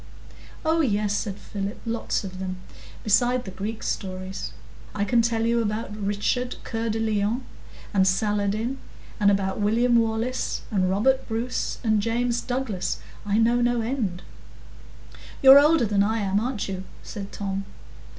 "Oh yes," said Philip; "lots of them, besides the Greek stories. I can tell you about Richard Cœur de Lion and Saladin, and about William Wallace and Robert Bruce and James Douglas,—I know no end." "You're older than I am, aren't you?" said Tom.